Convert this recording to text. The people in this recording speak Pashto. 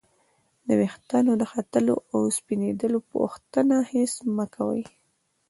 د ورېښتانو د ختلو او سپینیدلو پوښتنه هېڅ مه کوئ!